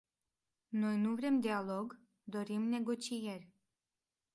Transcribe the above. Noi nu vrem dialog, dorim negocieri.